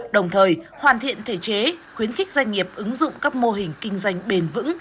đồng thời hoàn thiện thể chế khuyến khích doanh nghiệp ứng dụng các mô hình kinh doanh bền vững